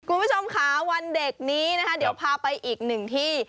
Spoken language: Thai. คุณผู้ชมค่ะวันเด็กนี้นะคะเดี๋ยวพาไปอีกหนึ่งที่